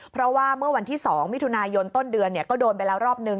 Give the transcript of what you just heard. เพราะว่าเมื่อวันที่๒มิถุนายนต้นเดือนก็โดนไปแล้วรอบนึง